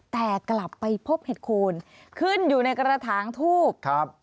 แต่กลับไปพบเหตุควรขึ้นอยู่ในกระทางทูป